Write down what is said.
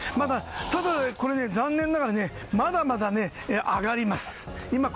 ただ、残念ながらまだまだ上がります。